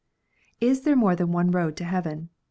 Is there more than one road to heaven